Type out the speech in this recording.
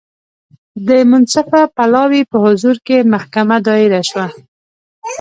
د منصفه پلاوي په حضور کې محکمه دایره شوه.